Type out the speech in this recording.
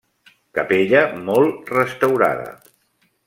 Capella molt restaurada.